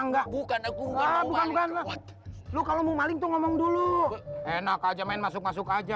enggak bukan aku bukan lo kalau mau maling tuh ngomong dulu enak aja main masuk masuk aja